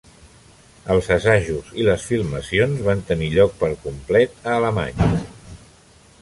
Els assajos i les filmacions van tenir lloc per complet a Alemanya.